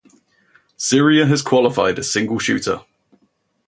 Syria has qualified a single shooter.